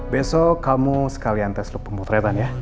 besok kamu sekalian tes loop pemutretan ya